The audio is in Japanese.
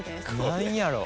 何やろう？